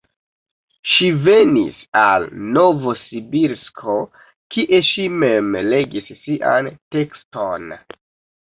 Ŝi venis al Novosibirsko, kie ŝi mem legis sian tekston.